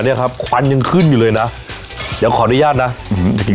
เนี้ยครับควันยังขึ้นอยู่เลยนะเดี๋ยวขออนุญาตนะ